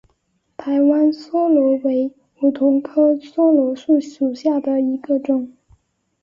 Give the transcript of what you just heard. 台湾梭罗为梧桐科梭罗树属下的一个种。